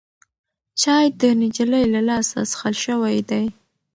چای د نجلۍ له لاسه څښل شوی دی.